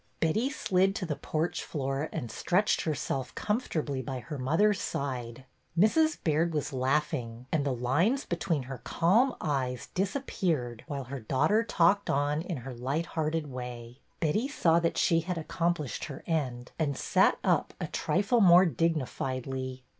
Betty slid to the porch floor and stretched her self comfortably by her mother's side. Mrs. Baird was laughing, and the lines between her calm eyes disappeared while her daughter talked on in her light hearted way. Betty saw that she had accomplished her end, and sat up a trifle more dignifiedly.